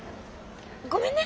ごめんね。